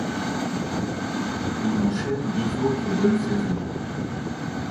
Il enchaîne deux autres bonnes saisons.